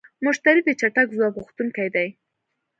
مشتری د چټک ځواب غوښتونکی دی.